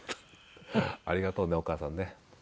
ありがとうねお母さんね。